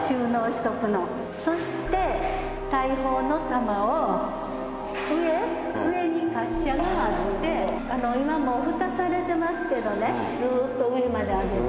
そして大砲の弾を上に滑車があって今もう蓋されてますけどねずっと上まで上げて。